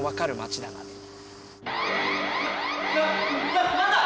な何だ？